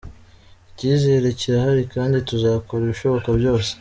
Icyizere kirahari kandi tuzakora ibishoboka byose.”